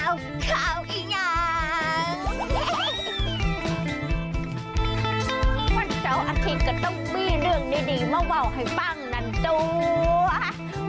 วันเสาร์อาทิตย์ก็ต้องมีเรื่องดีมาว่าวให้ฟังนั่นตัว